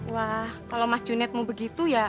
wah kalau mas junet mau begitu ya